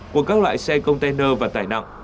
của các loại xe công tơ nâu và tai nạn